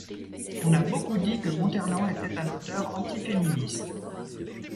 On a beaucoup dit que Montherlant était un auteur anti-féministe.